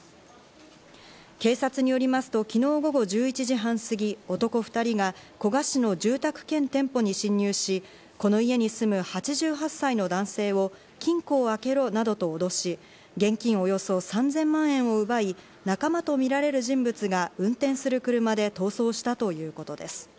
警察によりますと昨日午後１１時半過ぎ、男２人が古河市の住宅兼店舗に侵入し、この家に住む８８歳の男性を金庫を開けろなどと脅し、現金およそ３０００万円を奪い、仲間とみられる人物が運転する車で逃走したということです。